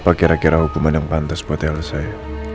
apa kira kira hukuman yang pantas buat elsa ya